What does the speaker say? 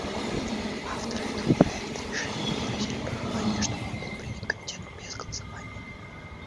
Авторы этого проекта решения выразили пожелание, чтобы он был принят Комитетом без голосования.